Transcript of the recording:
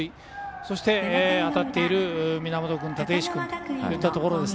そして、当たっている源君、立石君といったところ。